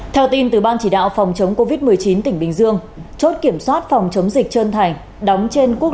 theo tin từ ban chỉ đạo phòng chống covid một mươi chín tỉnh bình dương chốt kiểm soát phòng chống dịch trơn thành